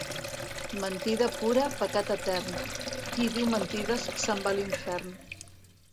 Mentida pura, pecat etern; qui diu mentides, se'n va a l'infern.